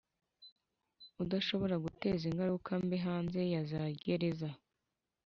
udashobora guteza ingaruka mbi hanze ya za gereza